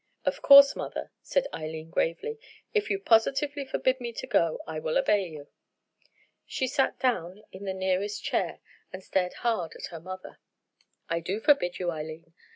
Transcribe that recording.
"Of course, mother," said Eileen gravely, "if you positively forbid me to go I will obey you." She sat down on the nearest chair and stared hard at her mother. "I do forbid you, Eileen.